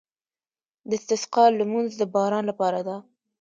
د استسقا لمونځ د باران لپاره دی.